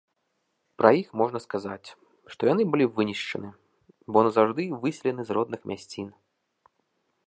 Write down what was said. Пра іх можна сказаць, што яны былі вынішчаны, бо назаўжды выселены з родных мясцін.